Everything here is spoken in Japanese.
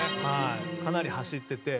かなり走ってて。